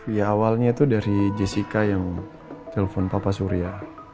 ya awalnya itu dari jessica yang telpon papa surya